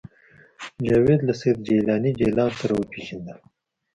جاوید له سید جلاني جلان سره وپېژندل